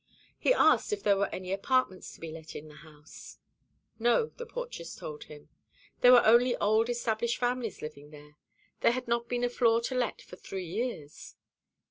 He asked if there were any apartments to be let in the house. No, the portress told him. There were only old established families living there. There had not been a floor to let for three years.